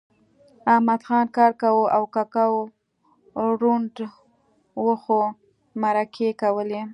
احمدخان کار کاوه او ککو ړوند و خو مرکې یې کولې